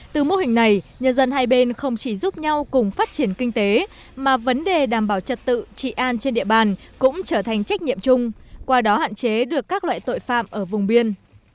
từ mô hình này nhân dân hai bên không chỉ giúp nhau cùng phát triển kinh tế mà vấn đề đảm bảo trật tự trị an trên địa bàn cũng trở thành trách nhiệm chung qua đó hạn chế được các loại tội phạm ở vùng biên